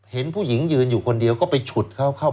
เห็นผู้หญิงยืนอยู่คนเดียวก็ไปฉุดเขาเข้าไป